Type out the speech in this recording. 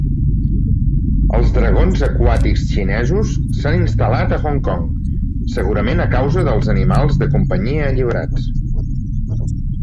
Els dragons aquàtics xinesos s'han instal·lat a Hong Kong, segurament a causa dels animals de companyia alliberats.